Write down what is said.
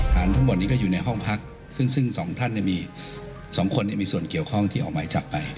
ทั้งหมดนี้ก็อยู่ในห้องพักซึ่งสองท่านมี๒คนมีส่วนเกี่ยวข้องที่ออกหมายจับไป